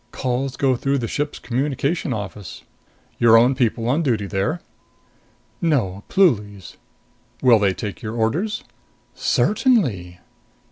"Calls go through the ship's communication office." "Your own people on duty there?" "No. Pluly's." "Will they take your orders?" "Certainly!"